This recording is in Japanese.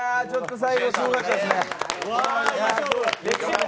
最後、すごかったですね。